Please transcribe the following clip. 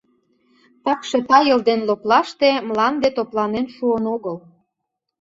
Такше тайыл ден лоплаште мланде топланен шуын огыл.